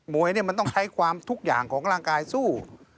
วยมันต้องใช้ความทุกอย่างของร่างกายสู้